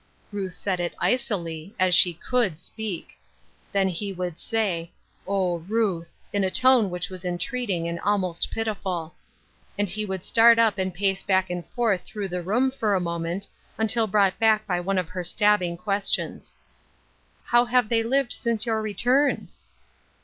Ruth said it icily — as she could speak. Then he would say, " Oh, Ruth !" in a tone which was entreating and almost pitiful. And he would start up and pace back and forth through the room for a moment, until brought back by one of her stabbing questions. " How have they lived since your return